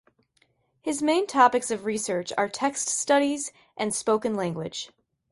His main topics of research are text studies and spoken language.